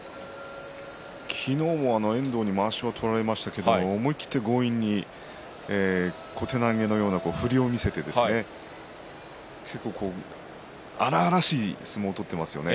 昨日は遠藤にまわしを取られましたけど思い切って強引に小手投げのような振りを見せて結構、荒々しい相撲を取っていますね。